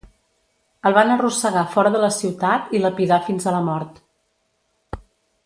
El van arrossegar fora de la ciutat i lapidar fins a la mort.